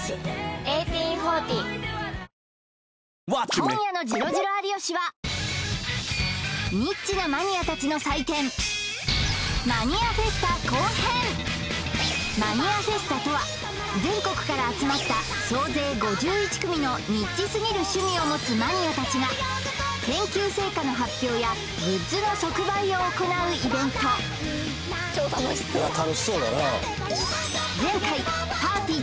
今夜の「ジロジロ有吉」はマニアフェスタとは全国から集まった総勢５１組のニッチすぎる趣味を持つマニアたちが研究成果の発表やグッズの即売を行うイベント楽しそうだな前回ぱーてぃー